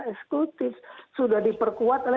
eksekutif sudah diperkuat oleh